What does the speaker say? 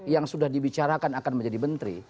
yang sudah dibicarakan akan menjadi menteri